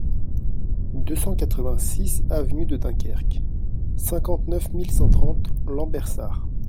deux cent quatre-vingt-six avenue de Dunkerque, cinquante-neuf mille cent trente Lambersart